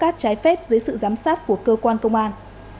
khai thác cát trái phép dưới sự giám sát của cơ quan công an